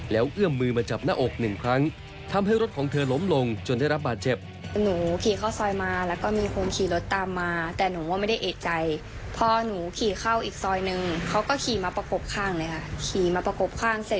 แล้วเอื้อมมือมาจับหน้าอกหนึ่งครั้งทำให้รถของเธอล้มลงจนได้รับบาดเจ็บ